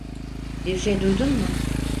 Bir şey duydun mu?